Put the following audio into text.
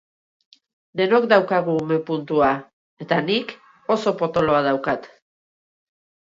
Denok daukagu ume puntua, eta nik oso potoloa daukat!